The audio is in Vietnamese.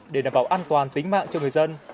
để đảm bảo an toàn tính mạng cho người dân